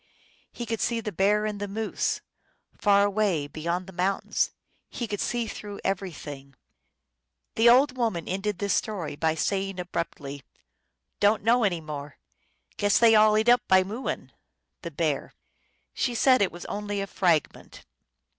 He could see the bear and the moose Far away beyond the mountains ; He could see through everything." The old Indian woman ended this story by saying abruptly, " Don t know any more. Guess they all eat up by muoin " (the bear). She said that it was only a fragment.